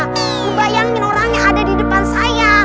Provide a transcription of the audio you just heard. ngebayangin orangnya ada di depan saya